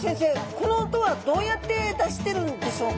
この音はどうやって出してるんでしょうか？